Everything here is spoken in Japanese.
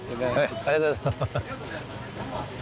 ありがとうございます。